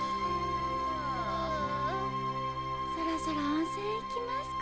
そろそろ温泉行きますか。